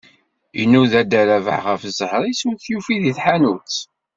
Inuda dda Rabeḥ ɣef ẓẓher-is, ur t-yufi di tḥanut.